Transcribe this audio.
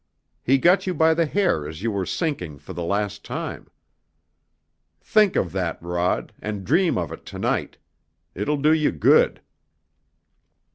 He got you by the hair as you were sinking for the last time. Think of that, Rod, and dream of it to night. It'll do you good."